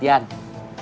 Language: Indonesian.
tidak ada yang ngeroyok